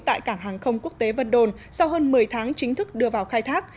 tại cảng hàng không quốc tế vân đồn sau hơn một mươi tháng chính thức đưa vào khai thác